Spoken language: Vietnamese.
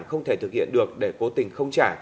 không thể thực hiện được để cố tình không trả